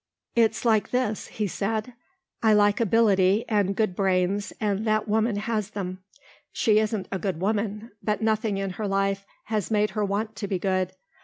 "It's like this," he said. "I like ability and good brains and that woman has them. She isn't a good woman, but nothing in her life has made her want to be good.